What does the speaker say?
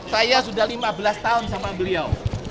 saya sudah lima belas tahun sama beliau